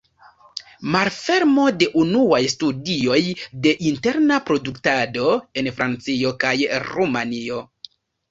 Malfermo de unuaj studioj de interna produktado en Francio kaj Rumanio.